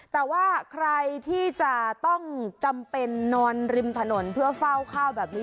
แต่ว่าใครที่จะต้องจำเป็นนอนริมถนนเพื่อเฝ้าข้าวแบบนี้